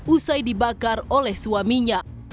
usai dibakar oleh suaminya